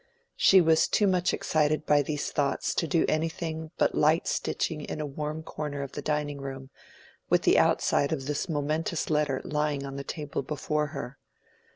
She was too much excited by these thoughts to do anything but light stitching in a warm corner of the dining room, with the outside of this momentous letter lying on the table before her.